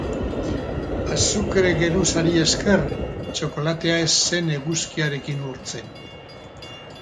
Azukre geruzari esker, txokolatea ez zen eguzkiarekin urtzen.